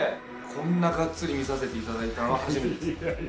こんながっつり見させていただいたのは初めてです。